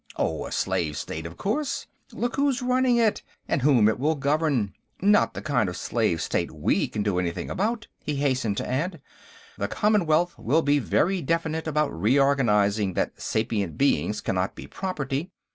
"Oh, a slave state, of course; look who's running it, and whom it will govern. Not the kind of a slave state we can do anything about," he hastened to add. "The Commonwealth will be very definite about recognizing that sapient beings cannot be property.